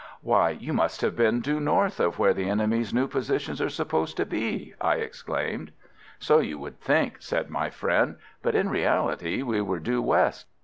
"Why, you must have been due north of where the enemy's new positions are supposed to be!" I exclaimed. "So you would think," said my friend; "but in reality we were due west.